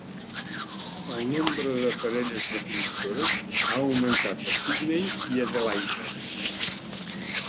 El nombre de parelles reproductores ha augmentat a Sidney i Adelaida.